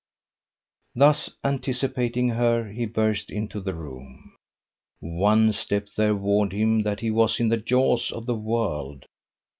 Thus anticipating her he burst into the room. One step there warned him that he was in the jaws of the world.